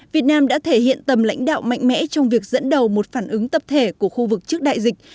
việt nam đã thể hiện tầm lãnh đạo mạnh mẽ trong việc dẫn đầu một phản ứng tập thể của khu vực trước đại dịch